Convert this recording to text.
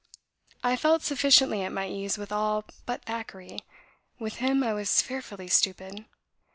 I felt sufficiently at my ease with all but Thackeray; with him I was fearfully stupid."